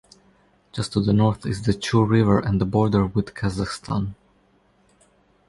Just to the north is the Chu River and the border with Kazakhstan.